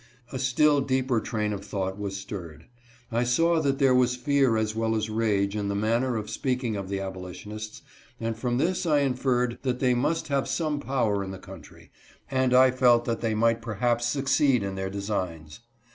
A^ still deeper train of thought was stirred. I saw that there was fear as well as rage in the manner of speaking of the abolitionists, and from this I inferred that they must have some power in the country, and I felt that they might perhaps succeed in their designs.